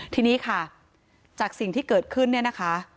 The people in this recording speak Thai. ทีนี้ค่ะจากสิ่งที่เกิดขึ้นเนี่ยนะคะ